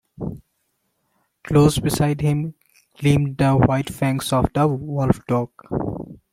Close beside him gleamed the white fangs of the wolf-dog.